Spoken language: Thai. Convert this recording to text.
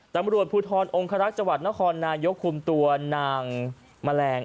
ตำรวจภูทรองครักษ์จังหวัดนครนายกคุมตัวนางแมลง